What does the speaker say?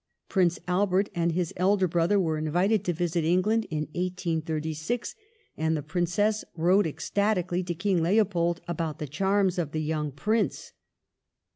Prince Albert and his elder brother were invited to visit England in 1836, and the Princess wrote ecstatically to King Leopold about the charms of the young Prince.